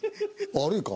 悪いか？